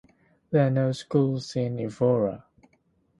There are no schools in Evora.